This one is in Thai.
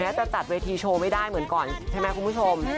จะจัดเวทีโชว์ไม่ได้เหมือนก่อนใช่ไหมคุณผู้ชม